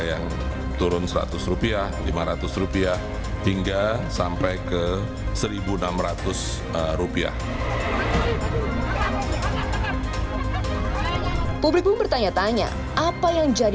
yang turun seratus rupiah lima ratus rupiah hingga sampai ke seribu enam ratus rupiah publik pun bertanya tanya apa yang jadi